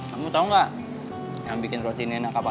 kamu tau gak yang bikin roti ini enak apa